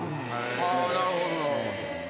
あなるほどなるほど。